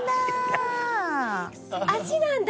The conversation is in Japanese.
足なんだ？